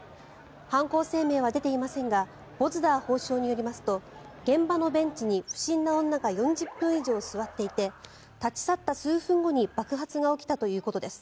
犯行声明は出ていませんがボズダー法相によりますと現場のベンチに不審な女が４０分以上座っていて立ち去った数分後に爆発が起きたということです。